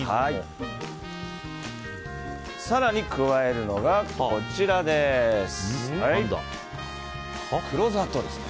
更に加えるのが黒砂糖です。